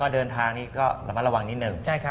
เดินทางนี่ก็มาระวังนิดนึง